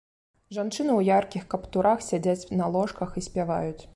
Жанчыны ў яркіх каптурах сядзяць на ложках і спяваюць.